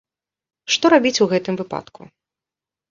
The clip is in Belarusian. Што рабіць у гэтым выпадку?